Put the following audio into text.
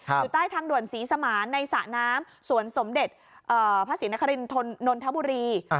อยู่ใต้ทางด่วนศรีสมานในสระน้ำสวนสมเด็จพระศรีนครินนทบุรี